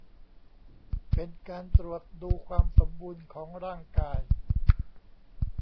เป็นการตรวจดูความสมบูรณ์ของร่างกาย